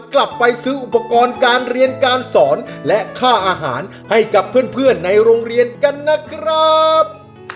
กลับไปซื้ออุปกรณ์การเรียนการสอนและค่าอาหารให้กับเพื่อนในโรงเรียนกันนะครับ